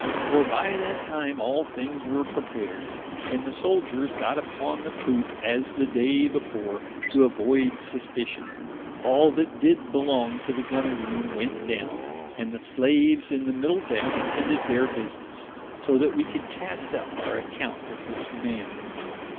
For by that time all things were prepared, and the Souldiers got upon the Poope as the day before: to avoid suspition, all that did belong to the Gunner roome went downe, and the slaves in the middle decke attended their business, so that we could cast up our account in this manner.